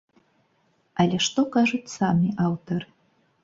Але што кажуць самі аўтары?